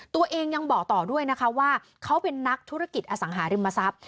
ตัวเองยังบอกต่อด้วยนะคะว่าเขาเป็นนักธุรกิจอสังหาริมทรัพย์